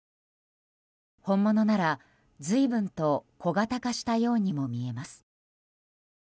本物なら随分と小型化したようにも見えます。